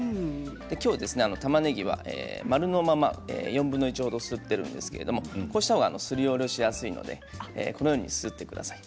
今日たまねぎは丸のまま４分の１ほどすってるんですけれどもこうしたほうがすりおろしやすいのでこのようにすってください。